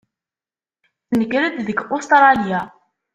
Tenker-d deg Ustṛalya.